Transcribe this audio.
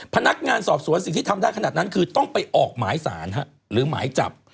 พนักงานสอบสวนสิ่งที่ทำได้ขนาดนั้นคือต้องไปออกหมายสารหรือหมายจับ